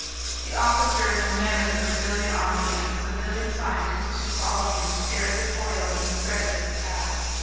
The officers and men of the Brazilian Army and the civilian scientists who followed him shared the toil and the credit of the task.